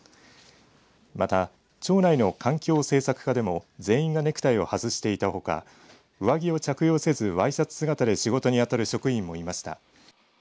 また庁内の環境政策課でも全員がネクタイを外していたほか上着を着用せずワイシャツ姿で仕事に当たる職員もいました。